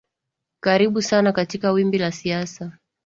karibu sana katika wimbi la siasa